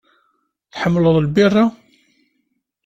Tḥemmleḍ lbira?